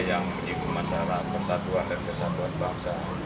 yang menyinggung masalah persatuan dan kesatuan bangsa